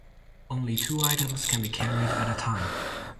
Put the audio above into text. Only two items can be carried at a time.